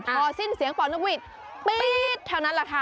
พอสิ้นเสียงป่อนุกวิทย์ปี๊ดแถวนั้นแหละค่ะ